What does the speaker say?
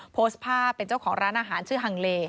โพสต์ภาพเป็นเจ้าของร้านอาหารชื่อฮังเล